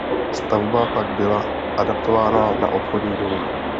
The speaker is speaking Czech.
Stavba pak byla adaptována na obchodní dům.